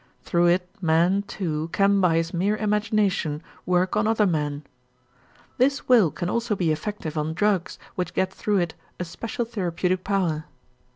Through it man, too, can by his mere imagination work on other men. This will can also be effective on drugs which get through it a special therapeutic power.